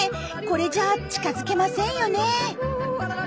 これじゃあ近づけませんよね。